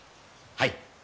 はい。